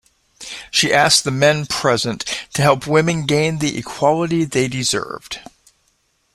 She asked the men present to help women gain the equality they deserved.